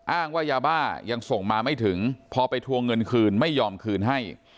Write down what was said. อ้างว่ายาบ้ายังส่งมาไม่ถึงพอไปทวงเงินคืนไม่ยอมคืนให้